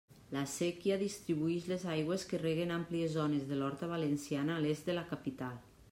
La séquia distribuïx les aigües que reguen àmplies zones de l'horta valenciana a l'est de la capital.